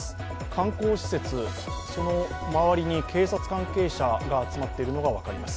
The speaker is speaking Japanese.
観光施設、その周りに警察関係者が集まっているのが分かります。